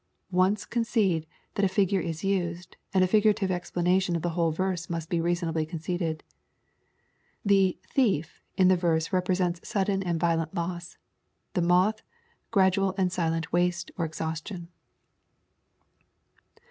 Once concede that a figure is used, and a figurative explanation of the whole verse must be reason ably conceded. The " thief in the verse represents sudden and violent loss, the "moth" gradual and silent waste or exhaustion.